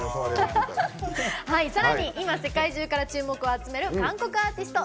さらに今世界中から注目を集める韓国アーティスト。